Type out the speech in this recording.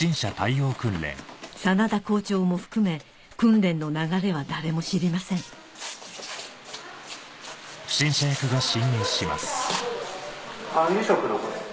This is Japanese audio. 眞田校長も含め訓練の流れは誰も知りませんどうしました？